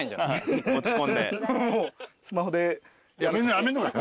やめんのかよ！